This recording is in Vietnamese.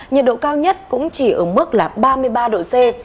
nhiệt độ cao nhất cũng chỉ ở mức là ba mươi ba độ c